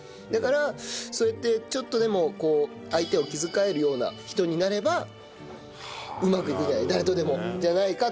だからそうやってちょっとでもこう相手を気遣えるような人になればうまくいくんじゃない？